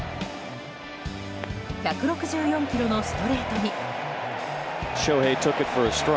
１６４キロのストレートに。